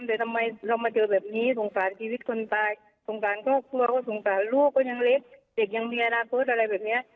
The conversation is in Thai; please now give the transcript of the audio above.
แต่ทำไมเรามาเจอแบบนี้สงสารชีวิตคนตายสงสารครอบครัวก็สงสารลูกก็ยังเล็กเด็กยังมีอนาคตอะไรแบบนี้